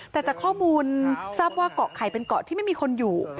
แต่จากข้อมูลทราบว่าเกาะไข่เป็นเกาะที่ไม่มีคนอยู่